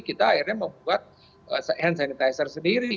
kita akhirnya membuat hand sanitizer sendiri